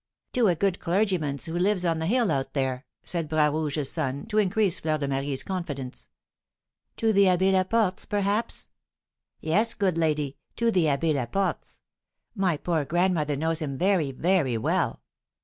"To a good clergyman's, who lives on the hill out there," said Bras Rouge's son, to increase Fleur de Marie's confidence. "To the Abbé Laport's, perhaps?" "Yes, good lady; to the Abbé Laport's. My poor grandmother knows him very, very well."